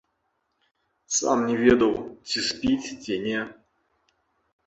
Сам не ведаў, ці спіць, ці не.